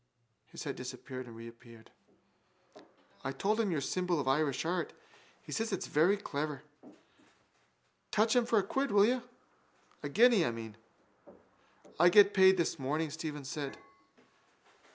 His head disappeared and reappeared. —I told him your symbol of Irish art. He says it's very clever. Touch him for a quid, will you? A guinea, I mean. —I get paid this morning, Stephen said.